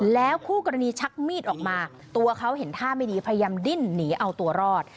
แล้วคู่กรณีชักมีดออกมาตัวเขาเห็นท่าไม่ดีพยายามดิ้นหนีเอาตัวรอด